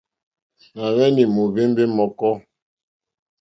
Nà hwenì mohvemba mɔ̀kɔ.